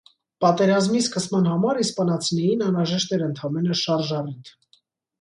Պատերազմի սկսման համար իսպանացիներին անհրաժեշտ էր ընդամենը շարժառիթ։